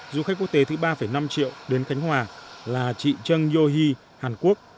du khách quốc tế thứ ba năm triệu đến khánh hòa là chị trân yô hy hàn quốc